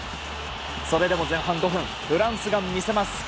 それでも前半５分フランスが魅せます。